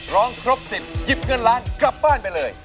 ร้องครบสิทธิ์หยิบเงินล้านกลับบ้านไปเลย